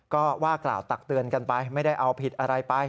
ก็ว่ากล่าวตักเตือนกันไปไม่ได้เอาผิดอะไรไป